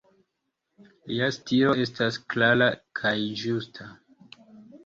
Lia stilo estas klara kaj ĝusta.